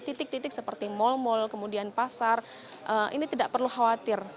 titik titik seperti mal mal kemudian pasar ini tidak perlu khawatir